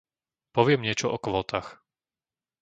Poviem niečo o kvótach.